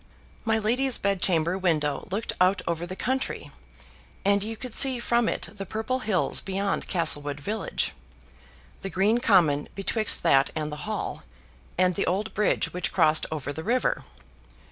My lady's bed chamber window looked out over the country, and you could see from it the purple hills beyond Castlewood village, the green common betwixt that and the Hall, and the old bridge which crossed over the river.